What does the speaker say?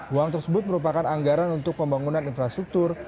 uang tersebut merupakan anggaran untuk pembangunan infrastruktur